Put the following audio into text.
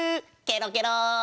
ケロケロ！